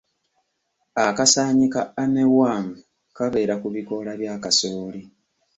Akasaanyi ka armyworm kabeera ku bikoola bya kasooli.